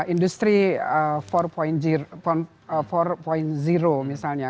industri empat misalnya